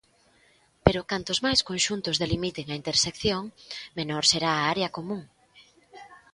Pero cantos máis conxuntos delimiten a intersección, menor será a área común.